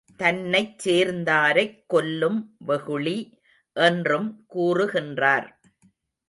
தன்னைச் சேர்ந்தாரைக் கொல்லும் வெகுளி என்றும் கூறுகின்றார்.